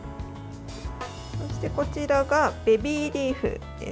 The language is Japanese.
そしてこちらがベビーリーフです。